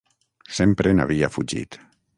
Sempre n'havia fugit.